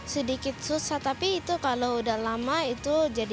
sedikit susah tapi itu kalau udah lama itu jadi